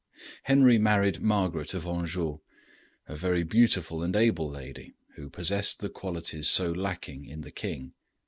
Henry married Margaret of Anjou, a very beautiful and able lady, who possessed the qualities so lacking in the king.